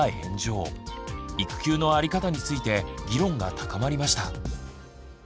育休のあり方について議論が高まりました。